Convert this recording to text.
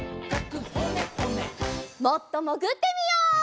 もっともぐってみよう！